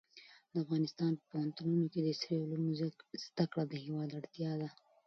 د افغانستان په پوهنتونونو کې د عصري علومو زده کړه د هېواد اړتیا ده.